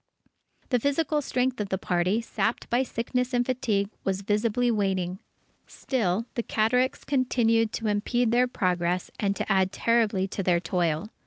The physical strength of the party, sapped by sickness and fatigue, was visibly waning. Still the cataracts continued to impede their progress and to add terribly to their toil.